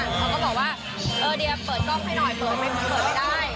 เขาก็บอกว่าเออเดียเปิดกล้องให้หน่อยเปิดไม่ได้